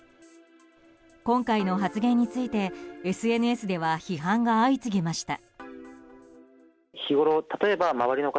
今回の発言についてＳＮＳでは批判が相次ぎました。